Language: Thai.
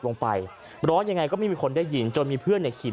ลงไปร้อนยังไงก็ไม่มีคนได้ยินจนมีเพื่อนเนี่ยขี่